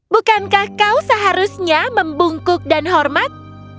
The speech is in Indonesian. bukankah kau seharusnya membungkuk dan hormat